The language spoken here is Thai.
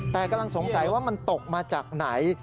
แต่กำลังสงสัยว่ามันตกมาจากไหน